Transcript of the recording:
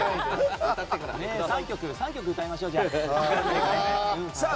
３曲歌いましょう、じゃあ。